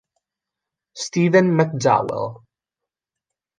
Stephen McDowell